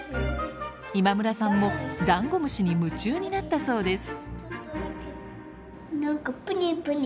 今村さんもダンゴムシに夢中になったそうです。